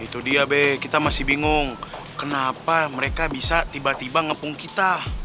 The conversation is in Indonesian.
itu dia be kita masih bingung kenapa mereka bisa tiba tiba ngepung kita